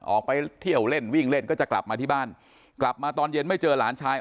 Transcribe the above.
ออกไปเที่ยวเล่นวิ่งเล่นก็จะกลับมาที่บ้านกลับมาตอนเย็นไม่เจอหลานชาย